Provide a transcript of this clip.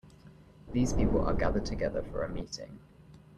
These people are gathered together for a meeting.